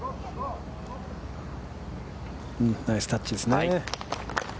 ナイスタッチですね。